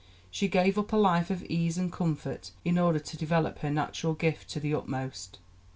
She gave up a life of ease and comfort in order to develop her natural gift to the utmost.